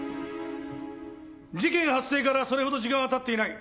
事件発生からそれほど時間は経っていない。